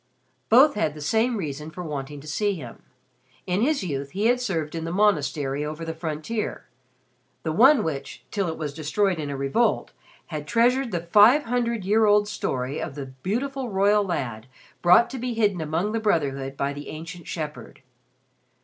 Both had the same reason for wanting to see him. In his youth he had served in the monastery over the frontier the one which, till it was destroyed in a revolt, had treasured the five hundred year old story of the beautiful royal lad brought to be hidden among the brotherhood by the ancient shepherd.